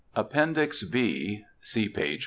APPENDIX B. See page 42.